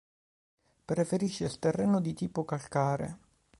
Preferisce il terreno di tipo calcare.